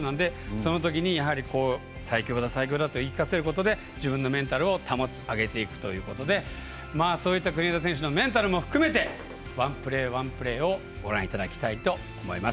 そういうときに「最強だ」と自分のメンタルを保つ上げていくということでそういった国枝選手のメンタルも含めてワンプレーワンプレーをご覧いただきたいと思います。